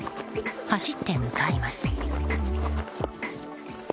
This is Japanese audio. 走って向かいます。